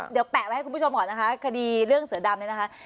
เดี๋ยวแปะไว้ให้คุณผู้ชมก่อนนะคะคดีเรื่องเสือดำเนี่ยนะคะ